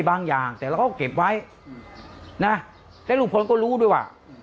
ฝ่ายต้องแบบพูดแล้วแต่เค้าไว้เก็บไว้